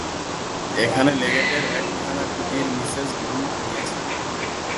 এখানে লেগেটের একখানা কুটীর মিসেস বুল নিয়েছেন।